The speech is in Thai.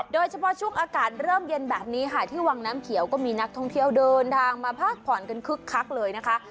โดยเฉพาะช่วงอากาศเริ่มเย็นแบบนี้ค่ะที่วังน้ำเขียวก็มีนักท่องเที่ยวเดินทางมาพักผ่อนกันคึกคักเลยนะคะ